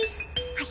はい！